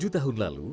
tujuh tahun lalu